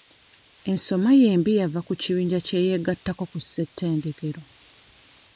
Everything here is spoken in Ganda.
Ensoma ye embi yava ku kibiinja kye yeegattako ku ssettendekero.